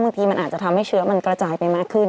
บางทีมันอาจจะทำให้เชื้อมันกระจายไปมากขึ้น